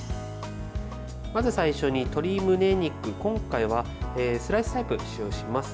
まず最初に鶏むね肉、今回はスライスタイプを使用します。